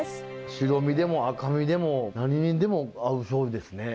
白身でも赤身でも何にでも合うしょうゆですね。